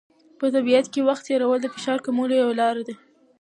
په طبیعت کې وخت تېرول د فشار کمولو یوه لاره ده.